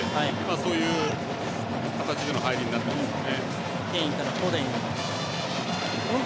そういう形での入りになっていますよね。